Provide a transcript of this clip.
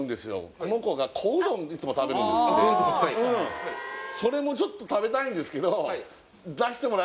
この子が小うどんいつも食べるんですって小うどんはいうんそれもちょっと食べたいんですけど